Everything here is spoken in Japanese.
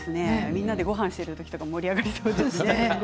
みんなでごはんをしている時とか盛り上がりそうですね。